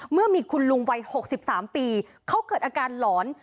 เมื่อมีคุณลุงวัย๖๓ปีเขาเกิดอาการหลอน